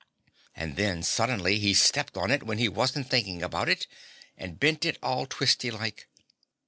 And then, suddenly, he stepped on it when he wasn't thinking about it and bent it all twisty like.